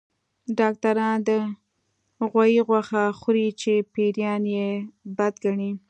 ډاکټران د غوايي غوښه خوري چې پيريان يې بد ګڼي